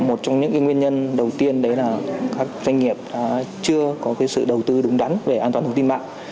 một trong những nguyên nhân đầu tiên đấy là các doanh nghiệp chưa có sự đầu tư đúng đắn về an toàn thông tin mạng